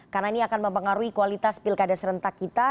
karena ini akan mempengaruhi kualitas pilkada serentak kita